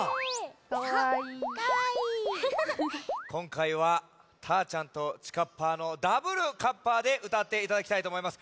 こんかいはたーちゃんとちかっぱーのダブルカッパでうたっていただきたいとおもいます。